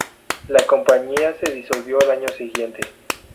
La compañía se disolvió al año siguiente.